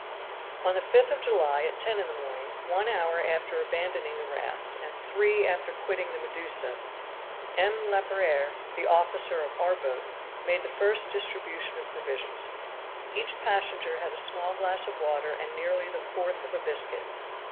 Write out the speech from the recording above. On the 5th of July, at ten in the morning, one hour after abandoning the raft, and three after quitting the Medusa, M. Laperere, the officer of our boat, made the first distribution of provisions. Each passenger had a small glass of water and nearly the fourth of a biscuit.